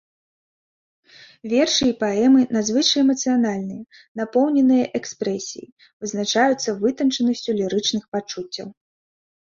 Вершы і паэмы надзвычай эмацыянальныя, напоўненыя экспрэсіяй, вызначаюцца вытанчанасцю лірычных пачуццяў.